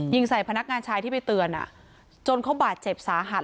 ยิงใส่พนักงานชายที่ไปเตือนจนเขาบาดเจ็บสาหัส